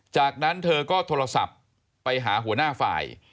จากนั้นเธอก็โทรศัพท์ไปหาหัวหน้าฝ่าย